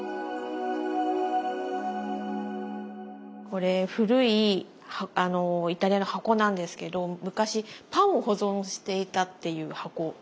これ古いイタリアの箱なんですけど昔パンを保存していたっていう箱。